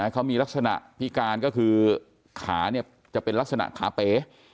เขามีลักษณะพิการก็คือขาจะเป็นลักษณะขาเป๋